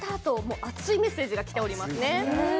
熱いメッセージがきていますね。